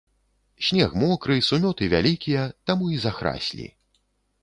Снег мокры, сумёты вялікія, таму і захраслі.